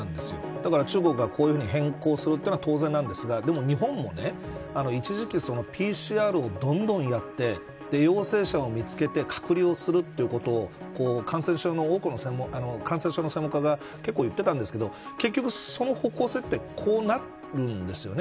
だから、中国がこういうふうに変更するのは当然なんですがでも日本も一時期ＰＣＲをどんどんやって陽性者を見つけて隔離をするということを感染症の多くの専門家が結構言ってたんですけど結局、その方向性ってこうなるんですよね。